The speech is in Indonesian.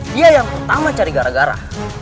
dia yang utama cari gara gara